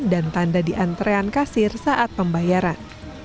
dan tanda di antrean kasir saat pembayaran